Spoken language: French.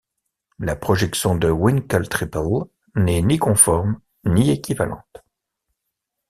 La projection de Winkel-Tripel n'est ni conforme, ni équivalente.